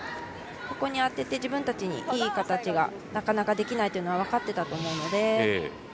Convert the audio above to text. ここに当てて自分たちにいい形がなかなかできないというのは分かっていたと思うので。